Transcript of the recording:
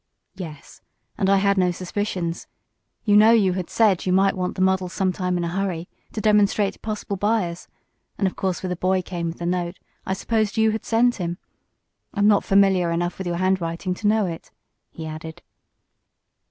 "Yes. And I had no suspicions. You know you had said you might want the model some time in a hurry, to demonstrate to possible buyers, and of course when the boy came with the note I supposed you had sent him. I'm not familiar enough with your handwriting to know it," he added.